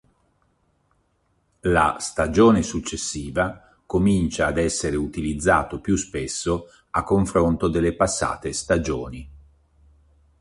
La stagione successiva comincia ad essere utilizzato più spesso a confronto delle passate stagioni.